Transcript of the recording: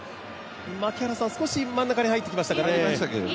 少し、真ん中に入ってきましたかね？